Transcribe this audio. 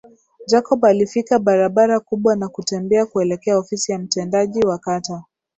Jacob alifika barabara kubwa na kutembea kuelekea ofisi ya mtendaji wa kata